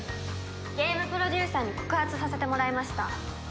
ゲームプロデューサーに告発させてもらいました。